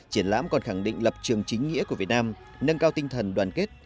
triển lãm còn khẳng định lập trường chính nghĩa của việt nam nâng cao tinh thần đoàn kết